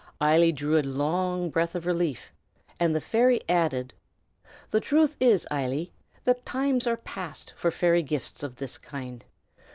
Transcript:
Eily drew a long breath of relief, and the fairy added, "The truth is, Eily, the times are past for fairy gifts of this kind.